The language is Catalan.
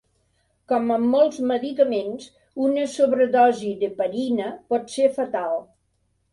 Com amb mols medicaments, una sobredosi d'heparina pot ser fatal.